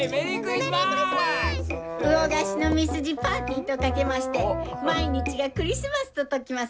うをがしのみすじパーティーと掛けまして毎日がクリスマスとときます！